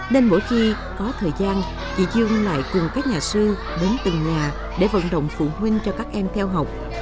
nên mỗi khi có thời gian chị dương lại cùng các nhà sư đến từng nhà để vận động phụ huynh cho các em theo học